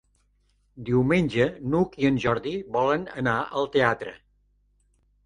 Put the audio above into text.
Diumenge n'Hug i en Jordi volen anar al teatre.